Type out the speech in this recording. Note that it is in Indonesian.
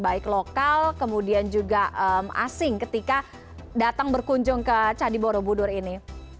baik lokal kemudian juga asing ketika datang berkunjung ke candi borobudur ini